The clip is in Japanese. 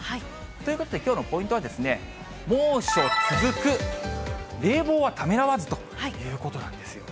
ということで、きょうのポイントは、猛暑続く、冷房はためらわずということなんですよ。